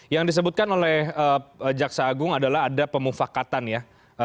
yang disebutkan oleh jaksa agung adalah ada pemufakatan ya